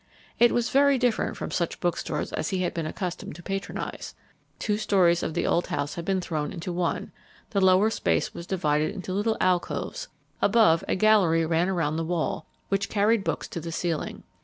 It was very different from such bookstores as he had been accustomed to patronize. Two stories of the old house had been thrown into one: the lower space was divided into little alcoves; above, a gallery ran round the wall, which carried books to the ceiling.